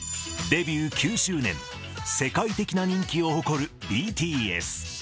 デビュー９周年、世界的な人気を誇るＢＴＳ。